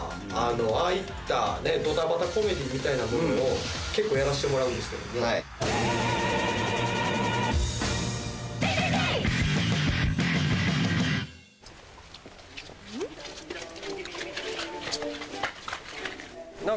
ああいったドタバタコメディーみたいなものを結構やらしてもらうんですけども。ん？